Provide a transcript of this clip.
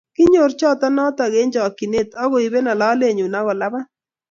Kinyor choto noto eng chokchinet agoibeno lolenyu agolabat